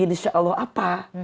insya allah apa